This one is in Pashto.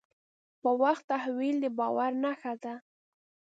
په وخت تحویل د باور نښه ده.